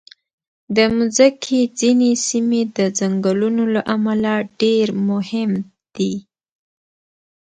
د مځکې ځینې سیمې د ځنګلونو له امله ډېر مهم دي.